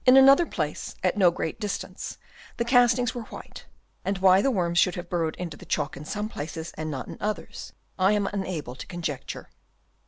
another place at no great distance the cast ings were white ; and why the worms should have burrowed into the chalk in some places and not in others, I am unable to conjecture.